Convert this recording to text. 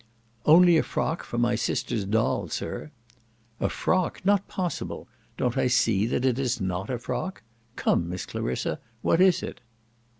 "Only a frock for my sister's doll, sir." "A frock? not possible. Don't I see that it is not a frock? Come, Miss Clarissa, what is it?"